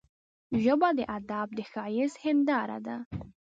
ژبه د ادب د ښايست هنداره ده